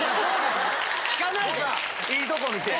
いいとこ見て。